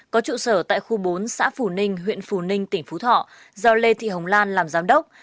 có trụ sở tại khu bốn xã phù ninh huyện phù ninh tỉnh phú thọ do lê thị hồng lan làm giám đốc